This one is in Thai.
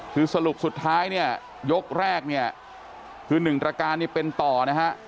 คือสรุปสุดท้ายเนี่ยยกแรกเนี่ยคือหนึ่งประการนี่เป็นต่อนะฮะ